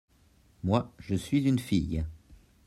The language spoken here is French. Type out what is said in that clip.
Moi, je suis une fille.